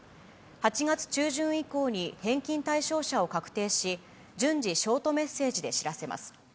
８月中旬以降に返金対象者を確定し、順次、ショートメッセージで知らせます。